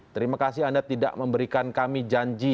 terima kasih anda tidak memberikan kami janji